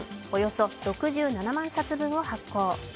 およそ６７万冊分を発行。